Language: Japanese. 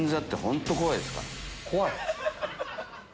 怖い？